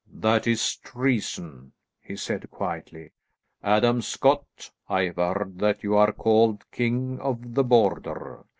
"That is treason," he said quietly. "Adam Scott, I have heard that you are called King of the Border.